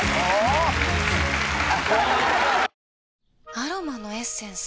アロマのエッセンス？